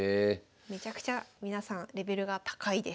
めちゃくちゃ皆さんレベルが高いです。